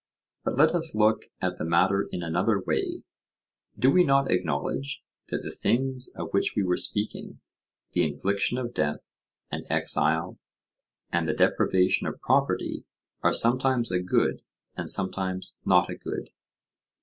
But let us look at the matter in another way:—do we not acknowledge that the things of which we were speaking, the infliction of death, and exile, and the deprivation of property are sometimes a good and sometimes not a good?